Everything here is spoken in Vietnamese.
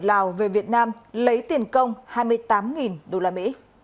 lào về việt nam lấy tiền công hai mươi tám usd